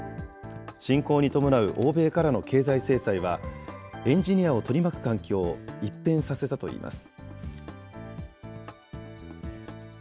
侵攻に伴う欧米からの経済制裁は、エンジニアを取り巻く環境を一変させたといいます。